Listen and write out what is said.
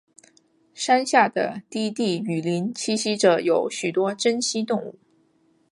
山下的低地雨林栖息有许多珍稀动物。